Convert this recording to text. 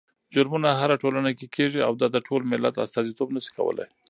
جرمونه هره ټولنه کې کېږي او دا د ټول ملت استازيتوب نه شي کولی.